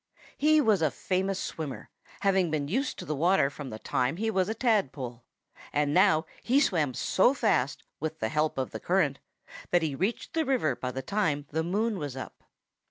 He was a famous swimmer, having been used to the water from the time he was a tadpole. And now he swam so fast, with the help of the current, that he reached the river by the time the moon was up.